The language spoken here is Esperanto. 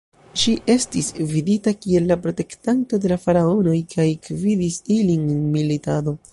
Ŝi estis vidita kiel la protektanto de la faraonoj kaj gvidis ilin en militado.